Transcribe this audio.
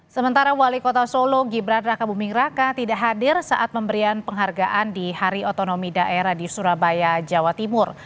sementara wali kota solo gibran raka buming raka tidak hadir saat pemberian penghargaan di hari otonomi daerah di surabaya jawa timur